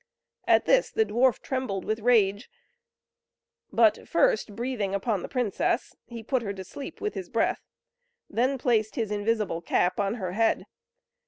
At this the dwarf trembled with rage; but first breathing upon the princess, he put her to sleep with his breath, then placed his invisible cap on her head.